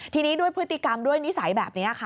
ทีนี้ด้วยพฤติกรรมด้วยนิสัยแบบนี้ค่ะ